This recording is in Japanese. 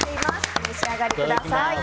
お召し上がりください。